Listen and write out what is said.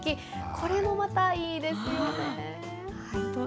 これもまたいいですよね。